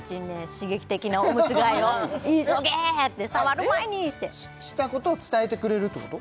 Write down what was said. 刺激的なおむつ替えを「急げ」って「触る前に」ってしたことを伝えてくれるってこと？